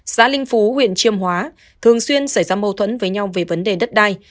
xã linh phú huyện chiêm hóa thường xuyên xảy ra mâu thuẫn với nhau về vấn đề đất đai